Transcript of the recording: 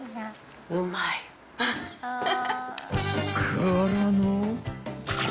［からの］